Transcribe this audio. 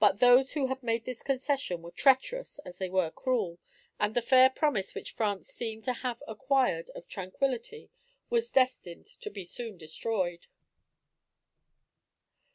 But those who had made this concession were treacherous as they were cruel, and the fair promise which France seemed to have acquired of tranquillity was destined to be soon destroyed.